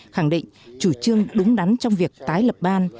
khẳng định chủ trương đúng đắn trong việc tái lập ban